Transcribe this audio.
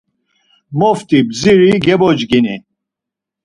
Mopti, bdziri, gebocgini.